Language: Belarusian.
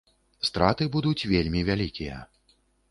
Страты будуць вельмі вялікія.